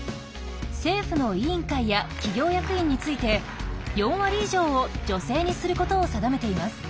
政府の委員会や企業役員について４割以上を女性にすることを定めています。